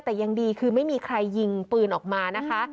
แต่ยังดีคือไม่มีใครยิงปืนออกมานะคะ